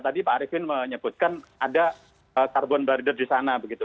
tadi pak arifin menyebutkan ada carbon barrider di sana begitu